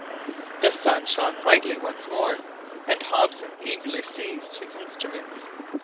The sun shone brightly once more, and Hobson eagerly seized his instruments.